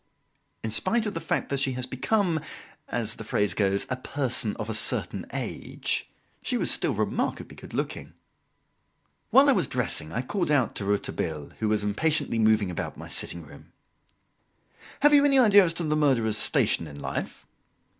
In spite of the fact that she has become, as the phrase goes, "a person of a certain age," she was still remarkably good looking. While I was dressing I called out to Rouletabille, who was impatiently moving about my sitting room: "Have you any idea as to the murderer's station in life?"